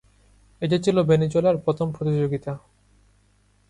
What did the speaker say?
এটি ছিল ভেনেজুয়েলার প্রথম প্রতিযোগিতা।